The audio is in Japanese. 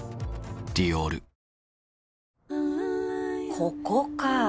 ここか。